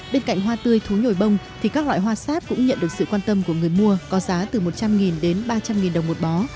bên cạnh hoa tươi thú nhồi bông thì các loại hoa sáp cũng nhận được sự quan tâm của người mua có giá từ một trăm linh đến ba trăm linh đồng một bó